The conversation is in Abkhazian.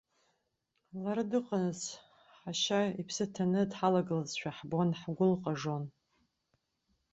Лара дыҟанаҵ, ҳашьа иԥсы ҭаны дҳалагылазшәа ҳбон, ҳгәы лҟажон.